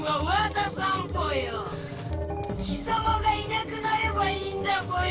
きさまがいなくなればいいんだぽよ！